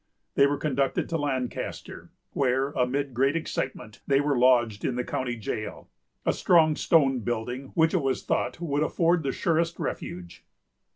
They were conducted to Lancaster, where, amid great excitement, they were lodged in the county jail, a strong stone building, which it was thought would afford the surest refuge.